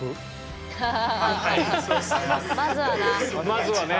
まずはな。